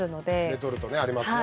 レトルトねありますね。